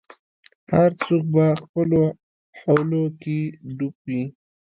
هر څوک به خپلو حولو کي ډوب وي